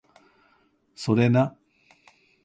それな